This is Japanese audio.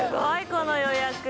この予約。